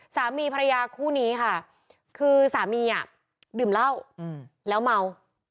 สามีภรรยาคู่นี้ค่ะคือสามีดื่มเหล้าแล้วเมา